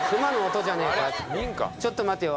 「ちょっと待てよ。